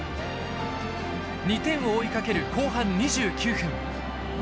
２点を追いかける後半２９分。